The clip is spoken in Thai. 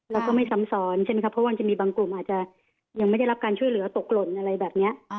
แล้วก็ไม่ซ้ำซ้อนใช่ไหมครับเพราะว่ามันจะมีบางกลุ่มอาจจะยังไม่ได้รับการช่วยเหลือตกหล่นอะไรแบบนี้